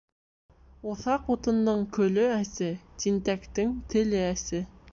Уҫаҡ утындың көлө әсе, тинтәктең теле әсе.